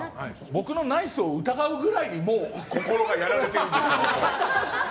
僕のナイスを疑うくらいにもう心がやられてるんですか。